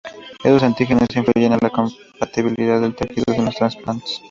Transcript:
Estos antígenos influyen a la compatibilidad de los tejidos en los trasplantes.